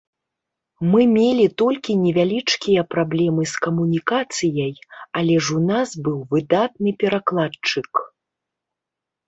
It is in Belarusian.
Мы мелі толькі невялічкія праблемы з камунікацыяй, але ж у нас быў выдатны перакладчык.